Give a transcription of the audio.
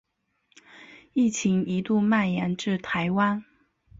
疫情一度蔓延至台湾。